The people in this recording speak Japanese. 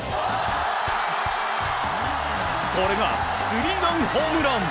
これがスリーランホームラン！